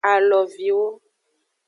Aloviwo.